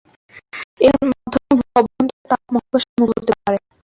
এর মাধ্যমে ভূ-অভ্যন্তরের তাপ মহাকাশে মুক্ত হতে পারে।